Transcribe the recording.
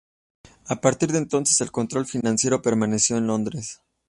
A partir de entonces, el control financiero permaneció en Londres.